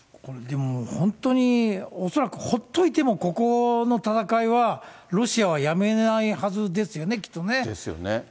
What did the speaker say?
でも本当に、恐らくほっといても、ここの戦いは、ロシアはやめないはずですよね、きっとね。